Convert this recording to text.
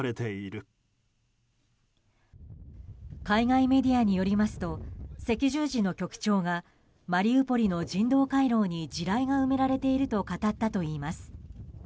海外メディアによりますと赤十字の局長がマリウポリの人道回廊に地雷が埋められていると語ったといいます。